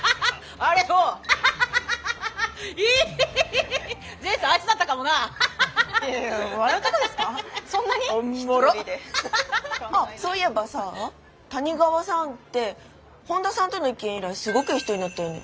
あっそういえばさ谷川さんって本田さんとの一件以来すごくいい人になったよね。